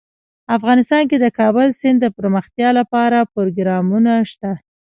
افغانستان کې د کابل سیند دپرمختیا لپاره پروګرامونه شته.